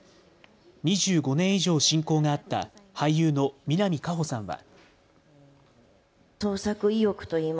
２５年以上、親交があった俳優の南果歩さんは。